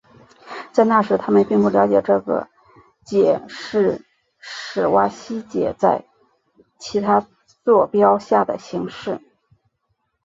在那时他们并不了解这个解是史瓦西解在其他座标下的形式。